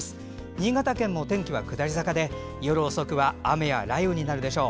新潟県も天気は下り坂で夜遅くは雨や雷雨になるでしょう。